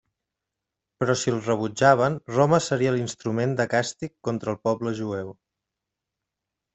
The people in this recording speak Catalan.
Però si el rebutjaven, Roma seria l'instrument de càstig contra el poble jueu.